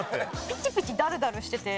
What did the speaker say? ピチピチダルダルしてて。